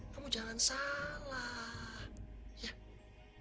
kamu jangan salah